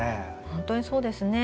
本当にそうですよね。